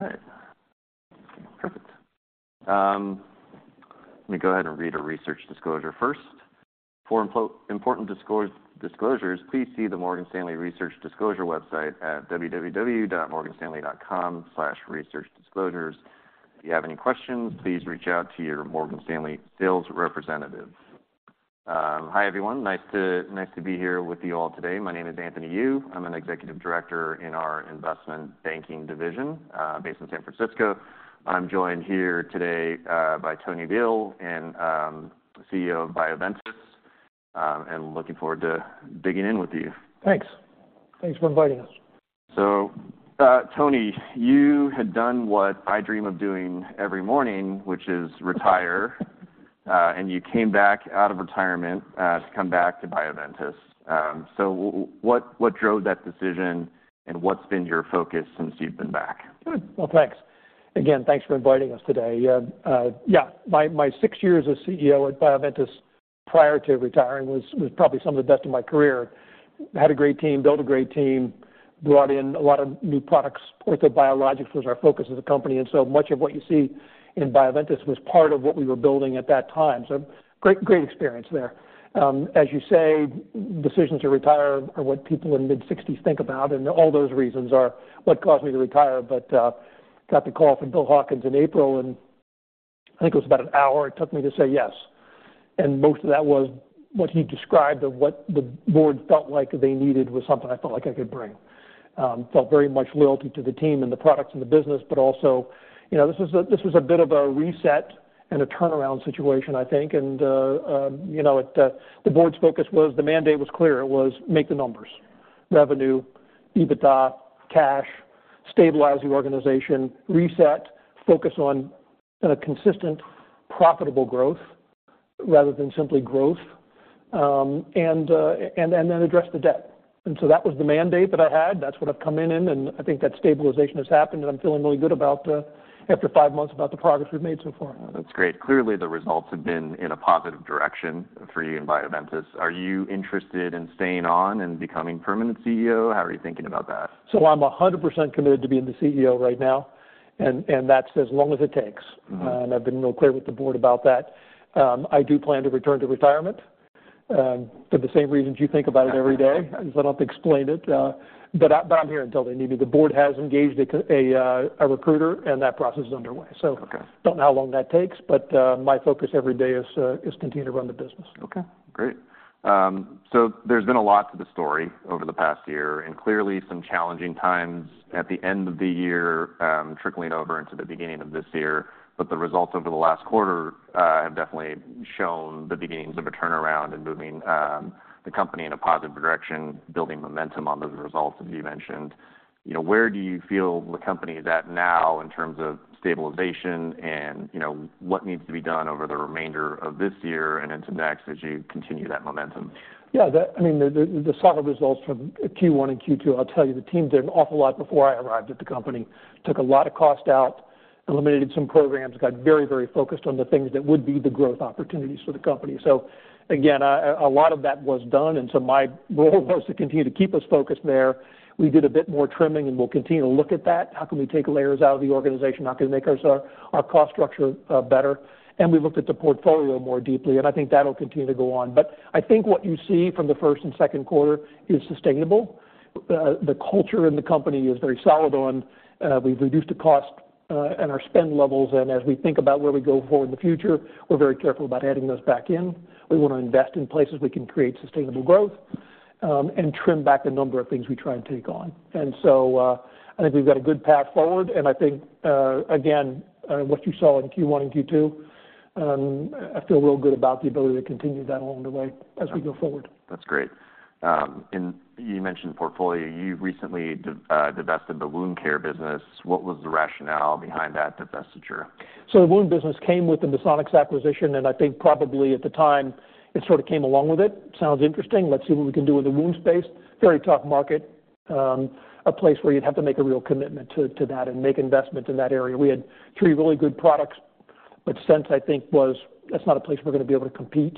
All right, perfect. Let me go ahead and read a research disclosure first. For important disclosures, please see the Morgan Stanley Research Disclosure website at www.morganstanley.com/researchdisclosures. If you have any questions, please reach out to your Morgan Stanley sales representative. Hi, everyone. Nice to be here with you all today. My name is Anthony Yu. I'm an executive director in our investment banking division, based in San Francisco. I'm joined here today by Tony Bihl, CEO of Bioventus, and looking forward to digging in with you. Thanks. Thanks for inviting us. So, Tony, you had done what I dream of doing every morning, which is retire, and you came back out of retirement, to come back to Bioventus. So what drove that decision, and what's been your focus since you've been back? Good. Well, thanks. Again, thanks for inviting us today. Yeah, my six years as CEO at Bioventus prior to retiring was probably some of the best of my career. I had a great team, built a great team, brought in a lot of new products. Orthobiologics was our focus as a company, and so much of what you see in Bioventus was part of what we were building at that time. So great, great experience there. As you say, decision to retire are what people in mid-sixties think about, and all those reasons are what caused me to retire. But got the call from Bill Hawkins in April, and I think it was about an hour it took me to say yes. Most of that was what he described of what the board felt like they needed, was something I felt like I could bring. Felt very much loyalty to the team and the products and the business, but also, you know, this was a, this was a bit of a reset and a turnaround situation, I think. You know, the board's focus was the mandate was clear. It was make the numbers, revenue, EBITDA, cash, stabilize the organization, reset, focus on a consistent, profitable growth rather than simply growth, and then address the debt. That was the mandate that I had. That's what I've come in on, and I think that stabilization has happened, and I'm feeling really good about, after five months, about the progress we've made so far. That's great. Clearly, the results have been in a positive direction for you and Bioventus. Are you interested in staying on and becoming permanent CEO? How are you thinking about that? I'm 100% committed to being the CEO right now, and that's as long as it takes. Mm-hmm. I've been real clear with the board about that. I do plan to return to retirement, for the same reasons you think about it every day. So I don't have to explain it, but I'm here until they need me. The board has engaged a recruiter, and that process is underway. Okay. So don't know how long that takes, but my focus every day is continue to run the business. Okay, great. So there's been a lot to the story over the past year, and clearly some challenging times at the end of the year, trickling over into the beginning of this year. But the results over the last quarter have definitely shown the beginnings of a turnaround and moving the company in a positive direction, building momentum on those results, as you mentioned. You know, where do you feel the company is at now in terms of stabilization and, you know, what needs to be done over the remainder of this year and into next as you continue that momentum? Yeah, that, I mean, the solid results from Q1 and Q2, I'll tell you, the team did an awful lot before I arrived at the company. Took a lot of cost out, eliminated some programs, got very, very focused on the things that would be the growth opportunities for the company. So again, a lot of that was done, and so my role was to continue to keep us focused there. We did a bit more trimming, and we'll continue to look at that. How can we take layers out of the organization? How can we make our cost structure better? And we looked at the portfolio more deeply, and I think that'll continue to go on. But I think what you see from the first and second quarter is sustainable. The culture in the company is very solid on we've reduced the cost and our spend levels, and as we think about where we go forward in the future, we're very careful about adding those back in. We want to invest in places we can create sustainable growth, and trim back the number of things we try and take on. And so, I think we've got a good path forward, and I think, again, what you saw in Q1 and Q2, I feel real good about the ability to continue that along the way as we go forward. That's great. You mentioned portfolio. You recently divested the wound care business. What was the rationale behind that divestiture? So the wound business came with the Misonix acquisition, and I think probably at the time, it sort of came along with it. Sounds interesting. Let's see what we can do with the wound space. Very tough market. A place where you'd have to make a real commitment to that and make investment in that area. We had three really good products, but that's not a place we're going to be able to compete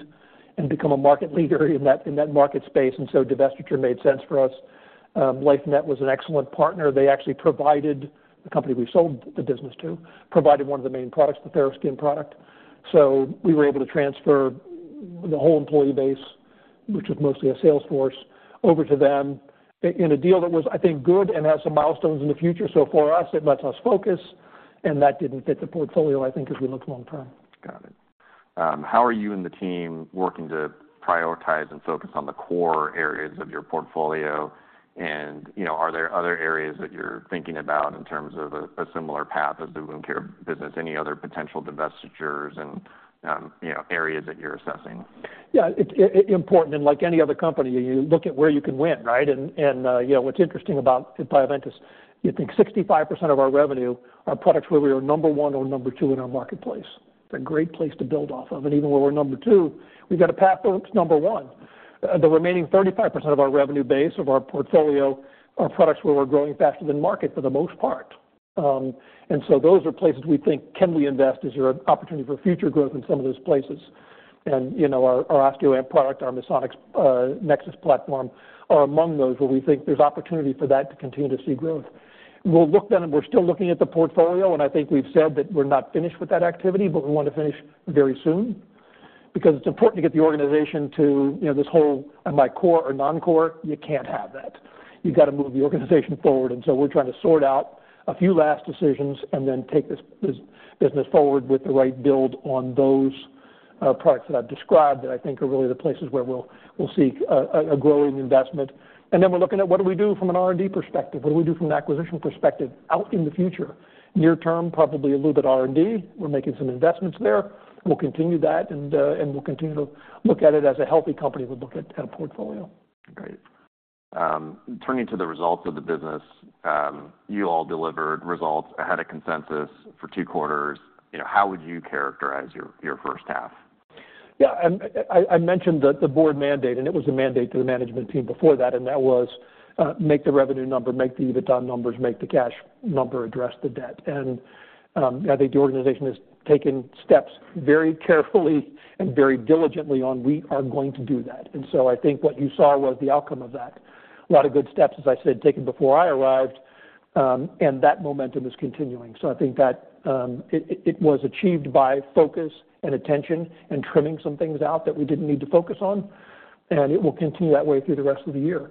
and become a market leader in that market space, and so divestiture made sense for us. LifeNet was an excellent partner. They actually provided the company we sold the business to, provided one of the main products, the TheraSkin product. So we were able to transfer the whole employee base, which was mostly a sales force, over to them in a deal that was, I think, good and has some milestones in the future. So for us, it lets us focus, and that didn't fit the portfolio, I think, as we looked long term. Got it. How are you and the team working to prioritize and focus on the core areas of your portfolio? You know, are there other areas that you're thinking about in terms of a similar path as the wound care business? Any other potential divestitures and, you know, areas that you're assessing? Yeah, it's important, and like any other company, you look at where you can win, right? And you know, what's interesting about Bioventus, you think 65% of our revenue are products where we are number one or number two in our marketplace. It's a great place to build off of, and even where we're number two, we've got a path to number one. The remaining 35% of our revenue base, of our portfolio, are products where we're growing faster than market for the most part. And so those are places we think, can we invest? Is there an opportunity for future growth in some of those places? And you know, our OsteoAmp product, our Misonix Nexus platform, are among those where we think there's opportunity for that to continue to see growth. We'll look then, and we're still looking at the portfolio, and I think we've said that we're not finished with that activity, but we want to finish very soon, because it's important to get the organization to, you know, this whole, am I core or non-core? You can't have that. You've got to move the organization forward, and so we're trying to sort out a few last decisions and then take this, this business forward with the right build on those, products that I've described, that I think are really the places where we'll, we'll see a, a growing investment. And then we're looking at what do we do from an R&D perspective? What do we do from an acquisition perspective out in the future? Near term, probably a little bit R&D. We're making some investments there. We'll continue that, and we'll continue to look at it as a healthy company we look at a portfolio. Great. Turning to the results of the business, you all delivered results ahead of consensus for two quarters. You know, how would you characterize your, your first half? Yeah, I mentioned the board mandate, and it was a mandate to the management team before that, and that was make the revenue number, make the EBITDA numbers, make the cash number, address the debt. And I think the organization has taken steps very carefully and very diligently on, we are going to do that. And so I think what you saw was the outcome of that. A lot of good steps, as I said, taken before I arrived, and that momentum is continuing. So I think that it was achieved by focus and attention and trimming some things out that we didn't need to focus on, and it will continue that way through the rest of the year.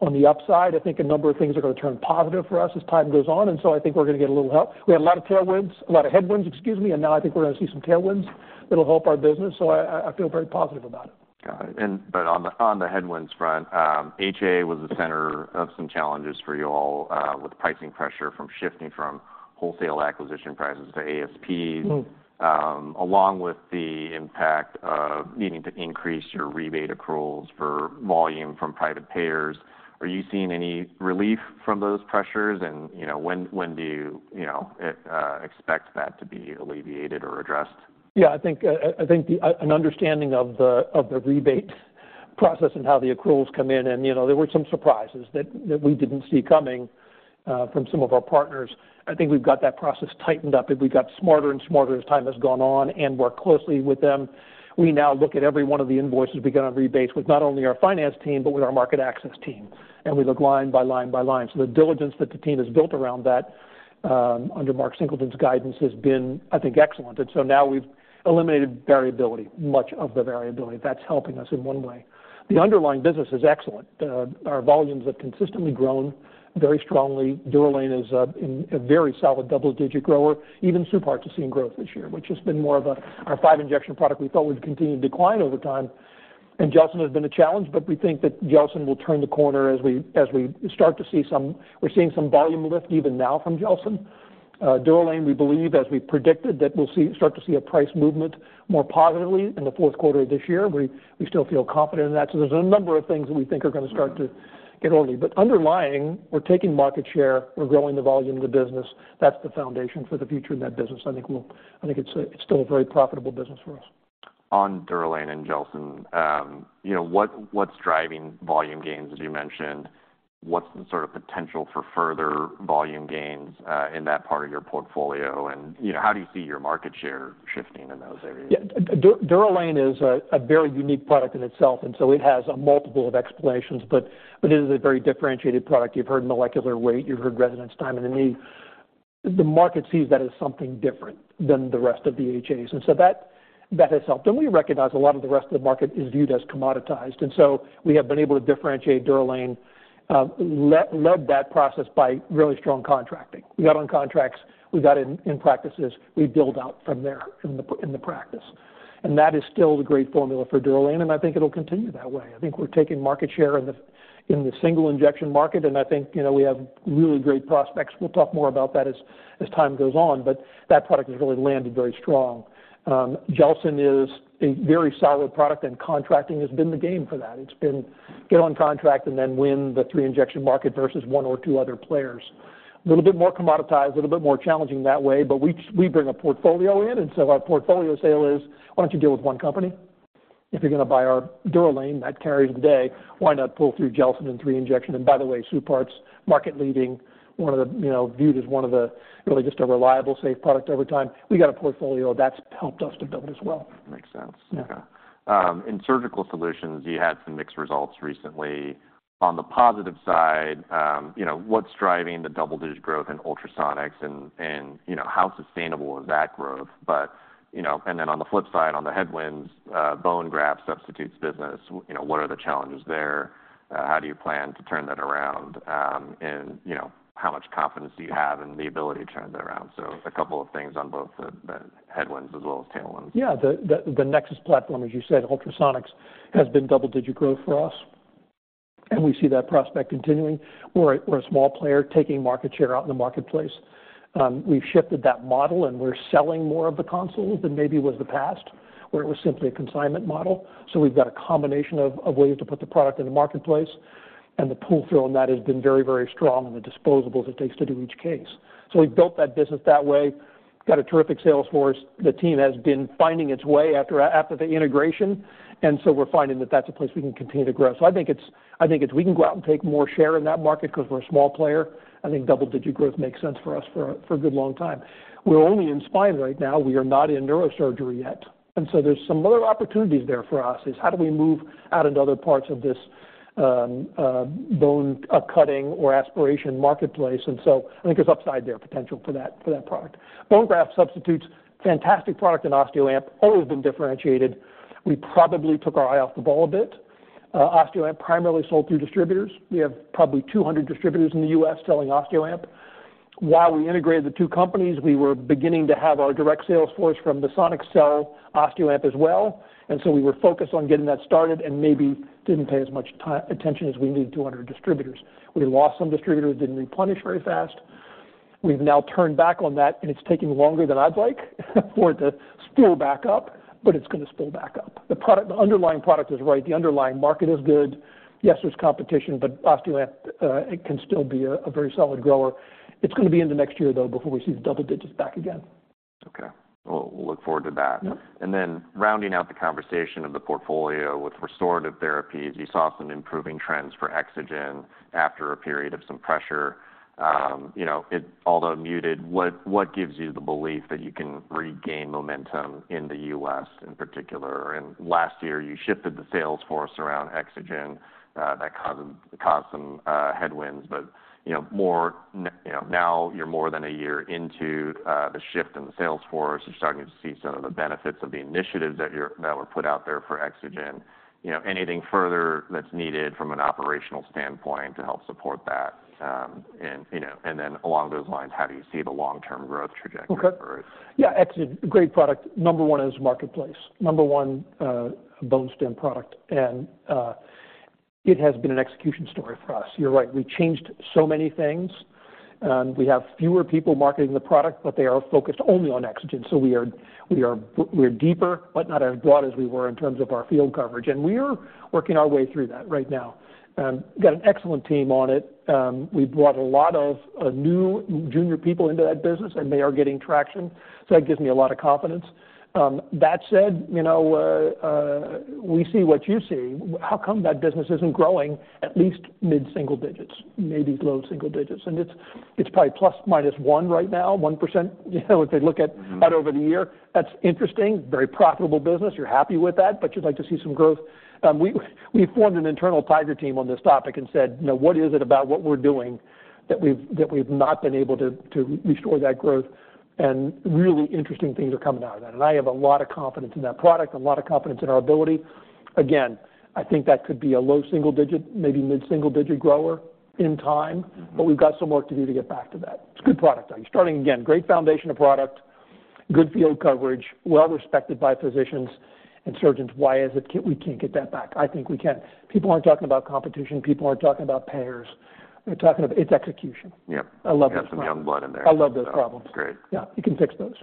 On the upside, I think a number of things are going to turn positive for us as time goes on, and so I think we're going to get a little help. We had a lot of tailwinds, a lot of headwinds, excuse me, and now I think we're going to see some tailwinds that'll help our business, so I, I feel very positive about it. Got it. But on the headwinds front, HA was the center of some challenges for you all, with pricing pressure from shifting from wholesale acquisition prices to ASPs. Mm-hmm. along with the impact of needing to increase your rebate accruals for volume from private payers. Are you seeing any relief from those pressures? And, you know, when do you, you know, expect that to be alleviated or addressed? Yeah, I think, I think an understanding of the rebate process and how the accruals come in, and, you know, there were some surprises that we didn't see coming from some of our partners. I think we've got that process tightened up, and we got smarter and smarter as time has gone on and worked closely with them. We now look at every one of the invoices we get on rebates with not only our finance team, but with our market access team, and we look line by line by line. So the diligence that the team has built around that, under Mark Singleton's guidance has been, I think, excellent. And so now we've eliminated variability, much of the variability. That's helping us in one way. The underlying business is excellent. Our volumes have consistently grown very strongly. DUROLANE is, in a very solid double-digit grower, even SUPARTZ seeing growth this year, which has been more of a, our five-injection product we thought would continue to decline over time. And GELSYN has been a challenge, but we think that GELSYN will turn the corner as we, as we start to see some-- we're seeing some volume lift even now from GELSYN. DUROLANE, we believe, as we predicted, that we'll see, start to see a price movement more positively in the fourth quarter of this year. We, we still feel confident in that. So there's a number of things that we think are going to start to get only. But underlying, we're taking market share, we're growing the volume of the business. That's the foundation for the future in that business. I think we'll- I think it's, it's still a very profitable business for us. On DUROLANE and GELSYN, you know, what, what's driving volume gains, as you mentioned? What's the sort of potential for further volume gains, in that part of your portfolio? And, you know, how do you see your market share shifting in those areas? Yeah, DUROLANE is a very unique product in itself, and so it has a multiple of explanations, but it is a very differentiated product. You've heard molecular weight, you've heard residence time in the knee. The market sees that as something different than the rest of the HAs, and so that has helped. And we recognize a lot of the rest of the market is viewed as commoditized, and so we have been able to differentiate DUROLANE. Led that process by really strong contracting. We got on contracts, we got in practices, we build out from there in the practice. And that is still the great formula for DUROLANE, and I think it'll continue that way. I think we're taking market share in the single injection market, and I think, you know, we have really great prospects. We'll talk more about that as time goes on, but that product has really landed very strong. GELSYN is a very solid product, and contracting has been the game for that. It's been get on contract and then win the three-injection market versus one or two other players. A little bit more commoditized, a little bit more challenging that way, but we bring a portfolio in, and so our portfolio sale is: why don't you deal with one company? If you're going to buy our DUROLANE, that carries the day, why not pull through GELSYN in three-injection? And by the way, SUPARTZ's market-leading, one of the, you know, viewed as one of the really just a reliable, safe product over time. We got a portfolio that's helped us to build as well. Makes sense. Yeah. Okay. In surgical solutions, you had some mixed results recently. On the positive side, you know, what's driving the double-digit growth in ultrasonics and you know, how sustainable is that growth? But, you know, and then on the flip side, on the headwinds, bone graft substitutes business, you know, what are the challenges there? How do you plan to turn that around? And, you know, how much confidence do you have in the ability to turn that around? So a couple of things on both the headwinds as well as tailwinds. Yeah. The Nexus platform, as you said, ultrasonics, has been double-digit growth for us, and we see that prospect continuing. We're a small player taking market share out in the marketplace. We've shifted that model, and we're selling more of the consoles than maybe was the past, where it was simply a consignment model. So we've got a combination of ways to put the product in the marketplace, and the pull through on that has been very, very strong in the disposables it takes to do each case. So we've built that business that way, got a terrific sales force. The team has been finding its way after the integration, and so we're finding that that's a place we can continue to grow. So I think we can go out and take more share in that market because we're a small player. I think double-digit growth makes sense for us for a good long time. We're only in spine right now. We are not in neurosurgery yet, and so there's some other opportunities there for us, is how do we move out into other parts of this bone cutting or aspiration marketplace? And so I think there's upside there, potential for that, for that product. Bone graft substitutes, fantastic product, and OsteoAmp always been differentiated. We probably took our eye off the ball a bit. OsteoAmp primarily sold through distributors. We have probably 200 distributors in the U.S. selling OsteoAmp. While we integrated the two companies, we were beginning to have our direct sales force from the SonicOne, OsteoAmp as well, and so we were focused on getting that started and maybe didn't pay as much attention as we needed to on our distributors. We lost some distributors, didn't replenish very fast. We've now turned back on that, and it's taking longer than I'd like for it to spool back up, but it's gonna spool back up. The product, the underlying product is right. The underlying market is good. Yes, there's competition, but OsteoAmp, it can still be a, a very solid grower. It's gonna be in the next year, though, before we see the double digits back again. Okay. Well, we'll look forward to that. Yep. And then rounding out the conversation of the portfolio with Restorative Therapies, you saw some improving trends for EXOGEN after a period of some pressure. You know, it although muted, what gives you the belief that you can regain momentum in the U.S. in particular? And last year, you shifted the sales force around EXOGEN, that caused some headwinds, but, you know, more now, you know, now you're more than a year into the shift in the sales force. You're starting to see some of the benefits of the initiatives that were put out there for EXOGEN. You know, anything further that's needed from an operational standpoint to help support that? And, you know, and then along those lines, how do you see the long-term growth trajectory for it? Okay. Yeah, EXOGEN, great product. Number one in its marketplace. Number one, bone stim product, and it has been an execution story for us. You're right; we changed so many things, and we have fewer people marketing the product, but they are focused only on EXOGEN. So we are deeper, but not as broad as we were in terms of our field coverage, and we are working our way through that right now. Got an excellent team on it. We've brought a lot of new junior people into that business, and they are getting traction. So that gives me a lot of confidence. That said, you know, we see what you see. How come that business isn't growing at least mid-single digits, maybe low single digits? It's probably ±1% right now, you know, if they look at- Mm-hmm. about over the year. That's interesting, very profitable business. You're happy with that, but you'd like to see some growth. We formed an internal tiger team on this topic and said, "You know, what is it about what we're doing that we have not been able to restore that growth?" Really interesting things are coming out of that. I have a lot of confidence in that product, a lot of confidence in our ability. Again, I think that could be a low-single-digit, maybe mid-single-digit grower in time. Mm-hmm. But we've got some work to do to get back to that. It's a good product. You're starting again, great foundational product, good field coverage, well respected by physicians and surgeons. Why is it we can't get that back? I think we can. People aren't talking about competition. People aren't talking about payers. They're talking about... It's execution. Yep. I love those problems. You got some young blood in there. I love those problems. Great. Yeah, you can fix those.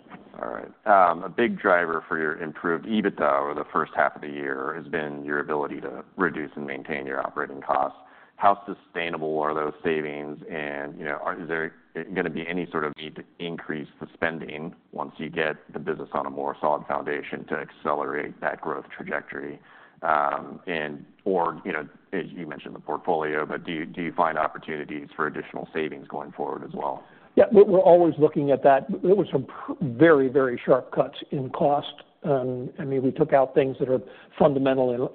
All right. A big driver for your improved EBITDA over the first half of the year has been your ability to reduce and maintain your operating costs. How sustainable are those savings, and, you know, is there gonna be any sort of need to increase the spending once you get the business on a more solid foundation to accelerate that growth trajectory? And or, you know, as you mentioned, the portfolio, but do you find opportunities for additional savings going forward as well? Yeah, we're always looking at that. It was some very, very sharp cuts in cost. I mean, we took out things that are fundamental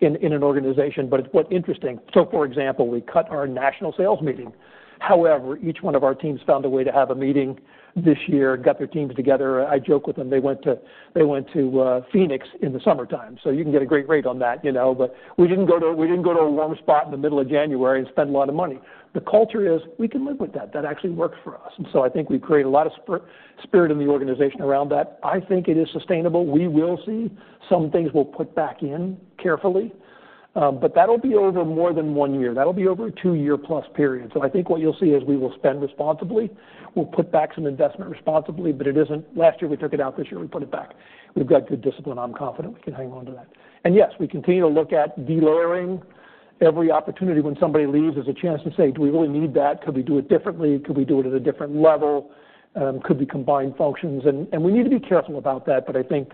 in an organization, but it's what's interesting. So for example, we cut our national sales meeting. However, each one of our teams found a way to have a meeting this year and got their teams together. I joke with them. They went to Phoenix in the summertime, so you can get a great rate on that, you know. But we didn't go to a warm spot in the middle of January and spend a lot of money. The culture is, we can live with that. That actually works for us, and so I think we've created a lot of spirit in the organization around that. I think it is sustainable. We will see some things we'll put back in carefully, but that'll be over more than one year. That'll be over a 2year+ period. So I think what you'll see is we will spend responsibly. We'll put back some investment responsibly, but it isn't last year, we took it out this year, we put it back. We've got good discipline. I'm confident we can hang on to that. And yes, we continue to look at delayering every opportunity. When somebody leaves, there's a chance to say: Do we really need that? Could we do it differently? Could we do it at a different level? Could we combine functions? And we need to be careful about that, but I think,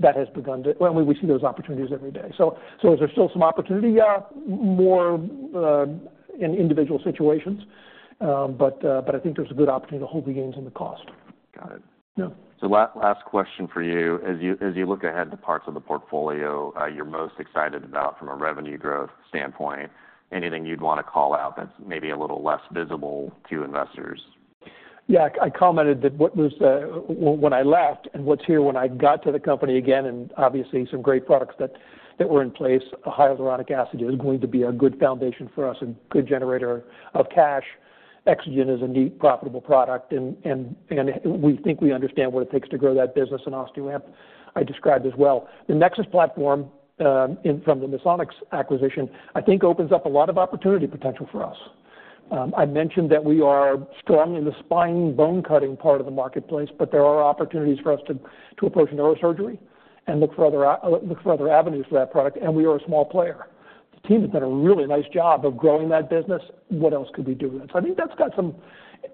that has begun to... Well, we see those opportunities every day. So is there still some opportunity? Yeah, more, in individual situations. But I think there's a good opportunity to hold the gains on the cost. Got it. Yeah. Last question for you. As you, as you look ahead to parts of the portfolio, you're most excited about from a revenue growth standpoint, anything you'd want to call out that's maybe a little less visible to investors? Yeah, I commented that when I left and what's here when I got to the company again, and obviously some great products that were in place. The hyaluronic acid is going to be a good foundation for us and good generator of cash. EXOGEN is a neat, profitable product, and we think we understand what it takes to grow that business, and OsteoAmp, I described as well. The Nexus platform in from the Misonix acquisition, I think opens up a lot of opportunity potential for us. I've mentioned that we are strong in the spine bone cutting part of the marketplace, but there are opportunities for us to approach neurosurgery and look for other avenues for that product, and we are a small player. The team has done a really nice job of growing that business. What else could we do with it? So I think that's got some...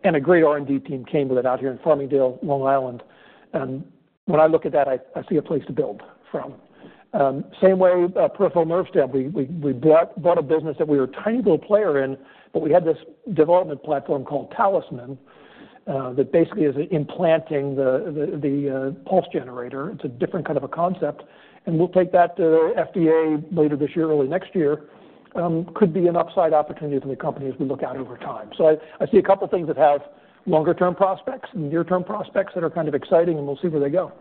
And a great R&D team came with it out here in Farmingdale, Long Island. And when I look at that, I see a place to build from. Same way, peripheral nerve stim. We bought a business that we were a tiny little player in, but we had this development platform called Talisman that basically is implanting the pulse generator. It's a different kind of a concept, and we'll take that to FDA later this year, early next year. Could be an upside opportunity for the company as we look out over time. So I see a couple of things that have longer-term prospects and near-term prospects that are kind of exciting, and we'll see where they go.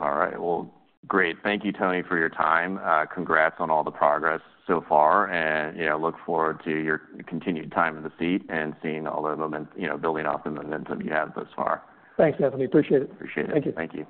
All right. Well, great. Thank you, Tony, for your time. Congrats on all the progress so far, and, you know, look forward to your continued time in the seat and seeing all the, you know, building off the momentum you have thus far. Thanks, Anthony. Appreciate it. Appreciate it. Thank you. Thank you.